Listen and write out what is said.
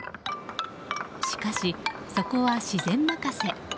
しかし、そこは自然任せ。